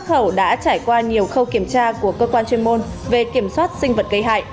xuất khẩu đã trải qua nhiều khâu kiểm tra của cơ quan chuyên môn về kiểm soát sinh vật gây hại